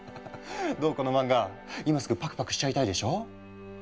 どうこの漫画今すぐパクパクしちゃいたいでしょ？